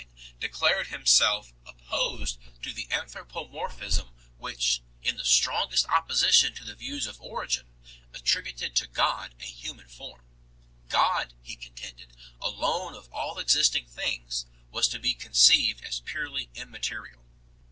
307 Theophilus himself had in 399 declared himself op posed to the anthropomorphism which, in the strongest opposition to the views of Origen, attributed to God a human form ; God, he contended, alone of all existing things, was to be conceived as purely immaterial.